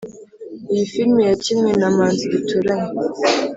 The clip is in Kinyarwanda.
Iyi filime yakinwe na manzi duturanye